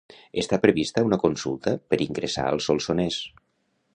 Està prevista una consulta per ingressar al Solsonès.